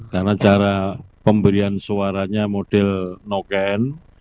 karena cara pemberian suaranya model noken